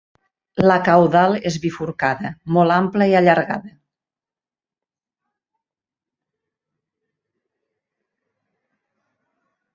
La caudal és bifurcada, molt ampla i allargada.